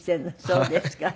そうですか。